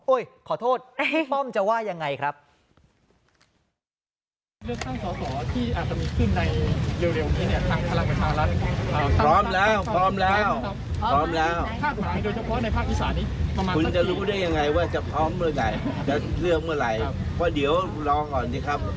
ขอโทษป้อมจะว่ายังไงครับ